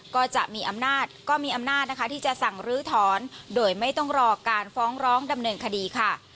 ก็จะมีอำนาจที่จะสั่งรื้อถอนโดยไม่ต้องรอการฟ้องร้องดำเนินคดีค่ะ